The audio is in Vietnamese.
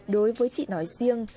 đối với chị nói riêng